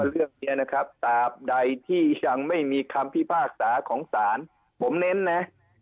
เรื่องนี้นะครับตราบใดที่ยังไม่มีคำพิพากษาของศาลผมเน้นนะ